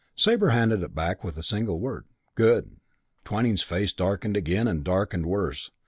Sabre handed it back with a single word, "Good." Twyning's face darkened again and darkened worse.